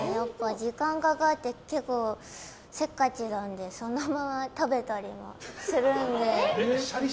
時間がかかって結構せっかちなのでそのまま食べたりもするので。